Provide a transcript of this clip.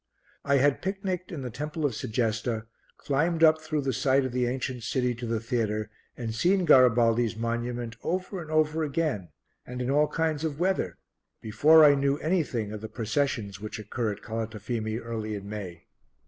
I had picnicked in the temple of Segesta, climbed up through the site of the ancient city to the theatre and seen Garibaldi's monument over and over again and in all kinds of weather, before I knew anything of the processions which occur at Calatafimi early in May.